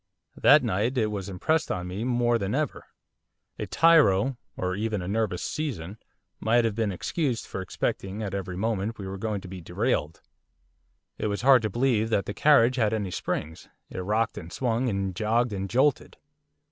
That night it was impressed on me more than ever. A tyro or even a nervous 'season' might have been excused for expecting at every moment we were going to be derailed. It was hard to believe that the carriage had any springs, it rocked and swung, and jogged and jolted.